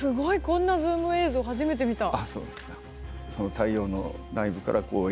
こんなズーム映像初めて見た。